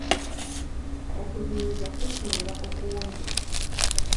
Okuziyiza kusinga okuwonya.